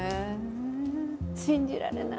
信じられない！